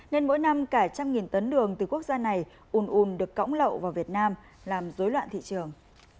nên mỗi năm cả một trăm linh tấn đường từ quốc gia này ùn ùn được cõng lậu vào việt nam làm dối loạn thị trường